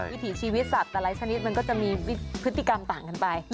วิถีชีวิตสัตว์แต่ละชนิดมันก็จะมีพฤติกรรมต่างกันไป